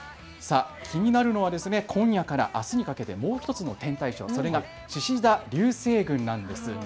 気になるのは今夜からあすにかけてもう１つの天体ショー、それがしし座流星群なんです。